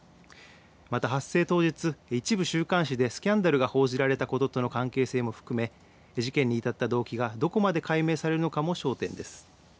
また発生当日、一部週刊誌でスキャンダルが報じられたこととの関係性も含め事件に至った動機がどこまで解明されるのかも焦点です。